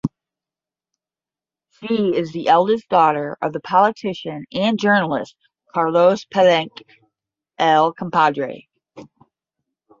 She is the eldest daughter of politician and journalist Carlos Palenque (El Compadre).